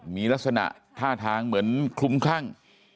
มีลักษณะท่าทางเหมือนคลุมคลั่ง